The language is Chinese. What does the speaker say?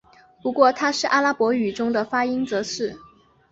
不过它在阿拉伯语中的发音则是。